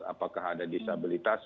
apakah ada disabilitas